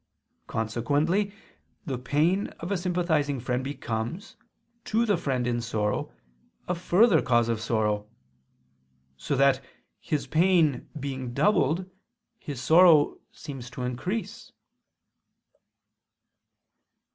Consequently the pain of a sympathizing friend becomes, to the friend in sorrow, a further cause of sorrow: so that, his pain being doubled his sorrow seems to increase.